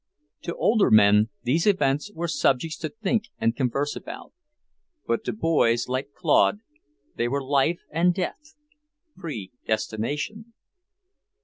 To older men these events were subjects to think and converse about; but to boys like Claude they were life and death, predestination.